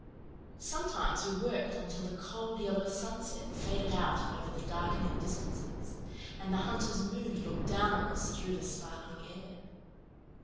Sometimes we worked until the cold yellow sunsets faded out over the darkening distances, and the hunter's moon looked down on us through the sparkling air.